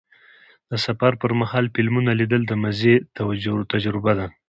د سفر پر مهال فلمونه لیدل د مزې تجربه ده.